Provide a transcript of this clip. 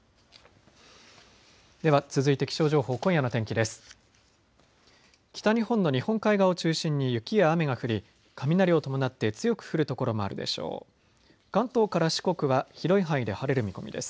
では続いて気象情報、今夜の天気です。